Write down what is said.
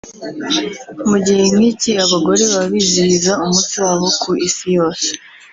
Mu gihe nk’iki abagore baba bizihiza umunsi wabo ku Isi yose